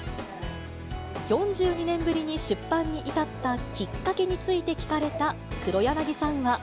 ４２年ぶりに出版に至ったきっかけについて聞かれた黒柳さんは。